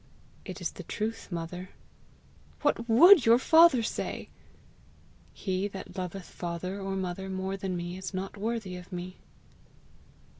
"It is the truth, mother." "What WOULD your father say!" "'He that loveth father or mother more than me is not worthy of me.'"